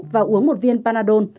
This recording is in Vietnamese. và uống một viên panadol